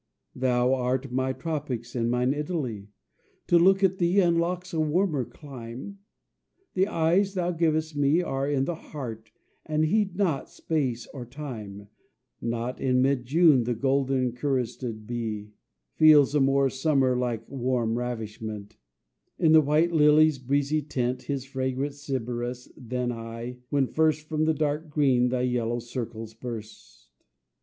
Thou art my tropics and mine Italy; To look at thee unlocks a warmer clime; The eyes thou givest me Are in the heart, and heed not space or time: Not in mid June the golden cuirassed bee Feels a more summer like warm ravishment In the white lily's breezy tent, His fragrant Sybaris, than I, when first From the dark green thy yellow circles burst.